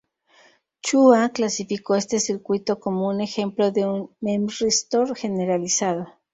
Chua clasificó este circuito como un ejemplo de un memristor generalizado.